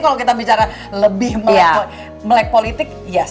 kalau kita bicara lebih melek politik ya